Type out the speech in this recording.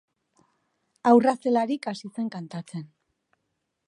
Haurra zelarik hasi zen kantatzen.